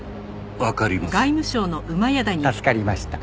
助かりました。